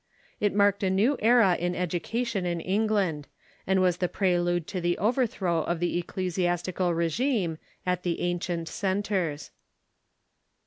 It marked a new era in education in England, and was the prelude to the overthrow of the ecclesi astical r'tijime at the ancient centres.